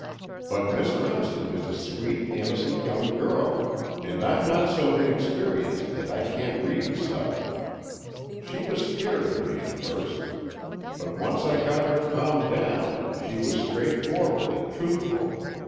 But Miss Remsen is a sweet, innocent young girl, and I'm not so inexperienced that I can't read such. She was scared of me at first, but once I got her calmed down she was straightforward and truthful.